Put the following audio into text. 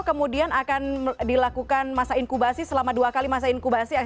kemudian akan dilakukan masa inkubasi selama dua kali masa inkubasi